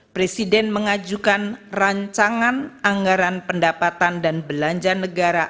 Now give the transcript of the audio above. presiden mengajukan rancangan anggaran pendapatan dan belanja negara